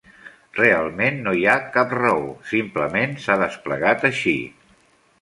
Realment no hi ha cap raó; simplement s'ha desplegat així.